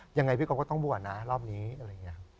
ยังไงพี่กบก็ต้องบวชนะรอบนี้อะไรอย่างนี้ครับ